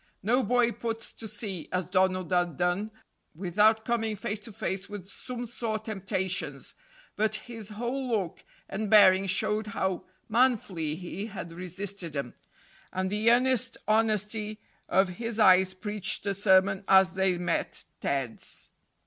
No boy puts to sea, as Donald had done, without coming face to face with some sore temptations, but his whole look and bearing showed how manfully he had resisted them, and the earnest honesty of his eyes preached a sermon as they met Ted's.